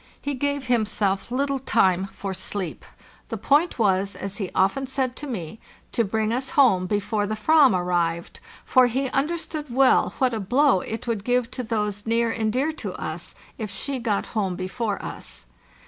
He gave himself little time for sleep; the point was, as he often said to me, to bring us home before the "ram arrived, for he understood well what a blow it would give to those near and dear to us if she got home before us.